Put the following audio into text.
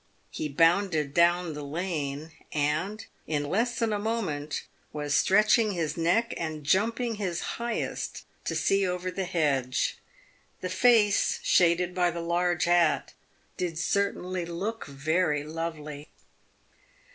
He bounded down the lane, and, in less than a moment, was stretch ing his neck and jumping his highest to see over the hedge. The face, shaded by the large hat, did certainly look very lovely.